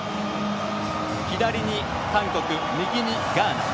左に韓国、右にガーナ。